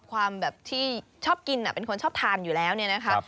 ความแบบที่ชอบกินเป็นคนชอบทานอยู่แล้วเนี่ยนะคะ